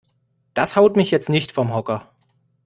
Das haut mich jetzt nicht vom Hocker.